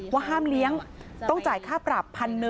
ว่าห้ามเลี้ยงต้องจ่ายค่าปรับ๑๐๐๑๐๐